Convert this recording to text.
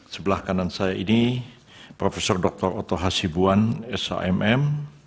sebelah kanan saya ini prof dr oto hasibuan shmm